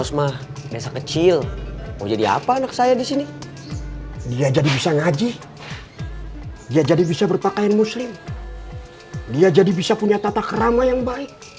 sampai jumpa di video selanjutnya